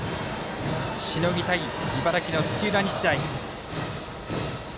しのぎたい、茨城、土浦日大。